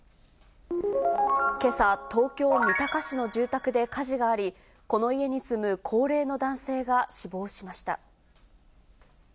けさ、東京・三鷹市の住宅で火事があり、この家に住む高齢の男性が死亡しました。